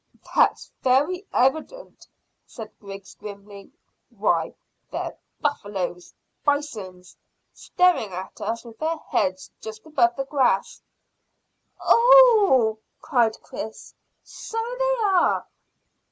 "That's very evident," said Griggs grimly. "Why, they're buffaloes bisons, staring at us with their heads just above the grass." "Oh h h!" cried Chris. "So they are."